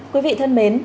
quý vị thân mến